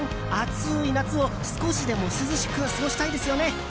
皆さん、暑い夏を少しでも涼しく過ごしたいですよね。